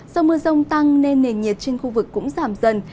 do mưa rông tăng nên nền nhiệt trên khu vực cũng giảm dần